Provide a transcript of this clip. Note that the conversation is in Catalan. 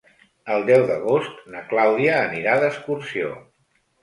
El deu d'agost na Clàudia anirà d'excursió.